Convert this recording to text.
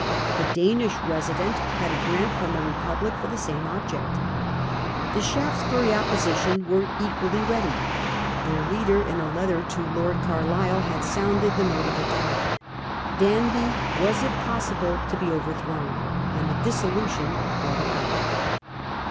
The Danish resident had a grant from the Republic for the same object. The Shaftesbury Opposi tion were equally ready. Their leader, in a letter to Lord Carlisle, had sounded the note of attack. Danby was if possible to be overthrown, and a dissolution brought about.